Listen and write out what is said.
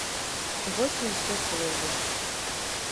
Вось і ўсе словы.